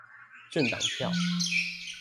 政黨票